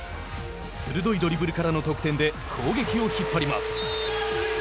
鋭いドリブルからの得点で攻撃を引っ張ります。